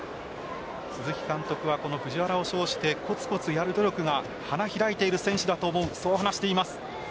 鈴木監督は藤原を称してコツコツやる努力が花開いている選手だと思うと話しています。